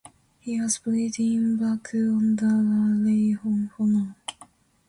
He was buried in Baku on the Alley of Honor.